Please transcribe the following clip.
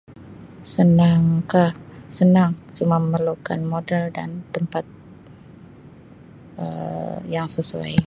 Senang kah senang cuma memerlukan modal dan tempat Um yang sesuai.